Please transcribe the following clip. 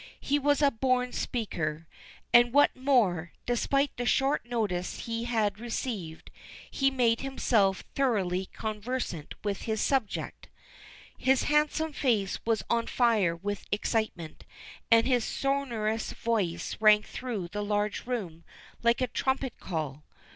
He was a born speaker, and what was more, despite the short notice he had received, had made himself thoroughly conversant with his subject. His handsome face was on fire with excitement, and his sonorous voice rang through the large room like a trumpet call.